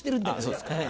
そうですか。